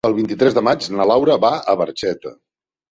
El vint-i-tres de maig na Laura va a Barxeta.